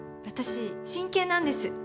私真剣なんです。